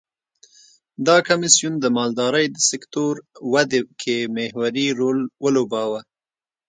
دا کمېسیون د مالدارۍ د سکتور ودې کې محوري رول ولوباوه.